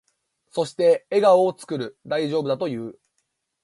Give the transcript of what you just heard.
そして、笑顔を作る。大丈夫だと言う。